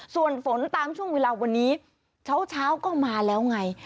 ส่วนฝนตามช่วงเวลาวันนี้เช้าก็มาแล้วไง